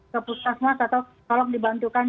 ke puskesmas atau tolong dibantukan